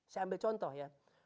saya ambil contoh ya